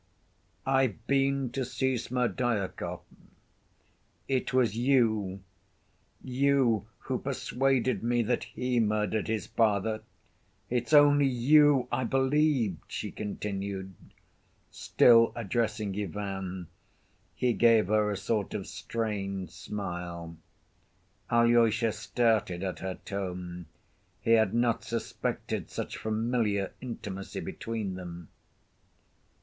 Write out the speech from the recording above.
"I've been to see Smerdyakov.... It was you, you who persuaded me that he murdered his father. It's only you I believed!" she continued, still addressing Ivan. He gave her a sort of strained smile. Alyosha started at her tone. He had not suspected such familiar intimacy between them.